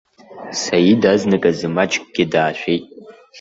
Саид азныказ маҷкгьы даашәеит.